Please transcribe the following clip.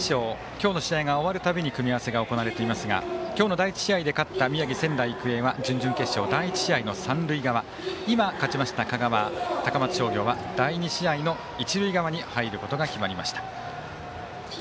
今日の試合が終わるたびに組み合わせが行われておりますが今日の第１試合で勝った宮城、仙台育英は準々決勝第１試合の三塁側今勝ちました、香川、高松商業は第２試合の一塁側に入ることが決まりました。